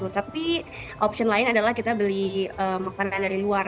tapi opsi lain adalah kita beli makanan dari luar